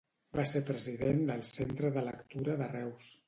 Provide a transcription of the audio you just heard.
Va ser president del Centre de Lectura de Reus.